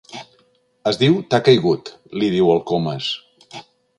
Es diu t'ha caigut —li diu el Comas.